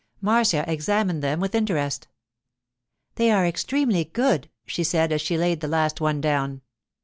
Marcia examined them with interest. 'They are extremely good,' she said as she laid the last one down.